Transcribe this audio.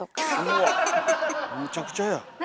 うわむちゃくちゃや。